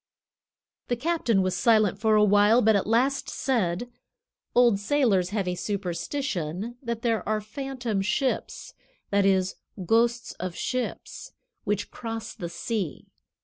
The captain was silent for a while, but at last said: "Old sailors have a superstition that there are phantom ships (that is, ghosts of ships) which cross the sea.